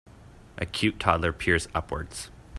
A cute toddler peers upwards.